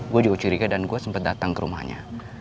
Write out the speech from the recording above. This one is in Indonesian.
gue juga curiga dan gue sempat datang ke rumahnya